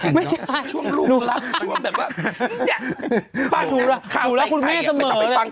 ช่วงลูกลับแบบว่านี่